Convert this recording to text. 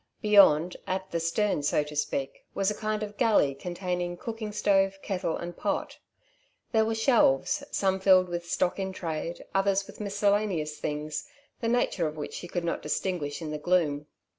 Beyond, at the stern, so to speak, was a kind of galley containing cooking stove, kettle and pot. There were shelves, some filled with stock in trade, others with miscellaneous things, the nature of which he could not distinguish in the gloom.